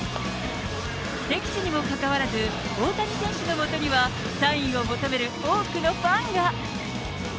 敵地にもかかわらず、大谷選手のもとにはサインを求める多くのファンが。